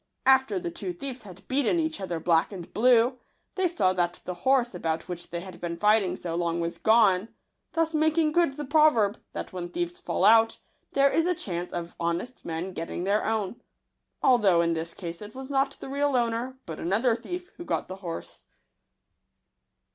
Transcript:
After the two thieves had beaten each other black and blue, j they saw that the horse about which they had | been fighting so long was gone ; thus making M good the proverb, that when thieves fall out, : there is a chance of honest men getting their % own; although in this case it was not the real | owner, but another thief, who got the horse.